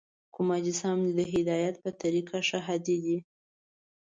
کوم اجسام د هدایت په طریقه ښه هادي دي؟